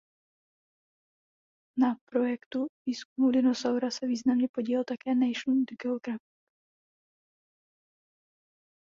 Na projektu výzkumu dinosaura se významně podílel také "National Geographic".